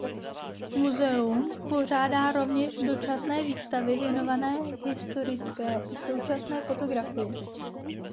Muzeum pořádá rovněž dočasné výstavy věnované historické i současné fotografii.